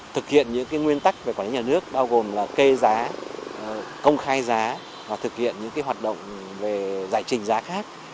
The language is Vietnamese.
thực hiện những nguyên tắc về quản lý nhà nước bao gồm là kê giá công khai giá và thực hiện những hoạt động về giải trình giá khác